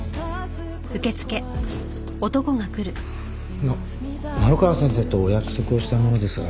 あの麻呂川先生とお約束をした者ですが。